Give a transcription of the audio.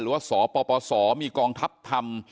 หรือว่าส่อปปสมีกองทัพธรรม